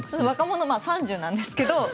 若者まあ、３０なんですけど。